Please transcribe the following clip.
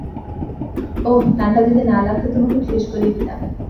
ওহ, টানটা যদি না লাগত, তোমাকে শেষ করেই দিতাম।